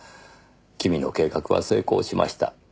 君の計画は成功しました。